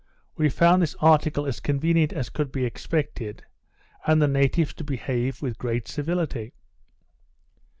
We found this article as convenient as could be expected, and the natives to behave with great civility.